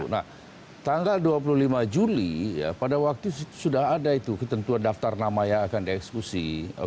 nah tanggal dua puluh lima juli pada waktu sudah ada itu ketentuan daftar nama yang akan dieksekusi